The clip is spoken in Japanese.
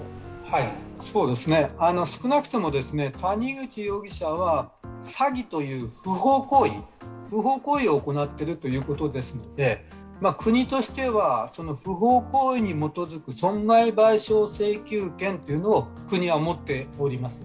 少なくとも谷口容疑者は詐欺という不法行為を行っているということですので、国としては不法行為に基づく損害賠償請求権というものを国は持っております。